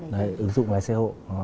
đấy ứng dụng lái xe hộ